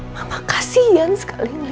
mama kasihan sekali ngeliat anin